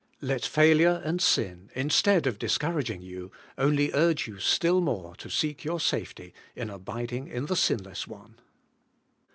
Let failure and sin, instead of discouraging you, only urge you still more to seek your safety in abiding in the Sinless One.